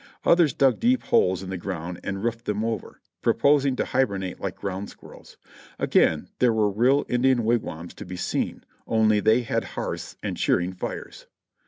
Others dug deep holes in the ground and roofed them over, proposing to hibernate like ground squirrels. Again there were real Indian wigwams to be seen, only they had hearths and cheering fires.